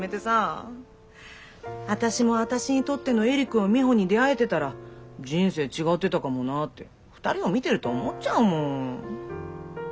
私も私にとってのエリコやミホに出会えてたら人生違ってたかもなぁって２人を見てると思っちゃうもん。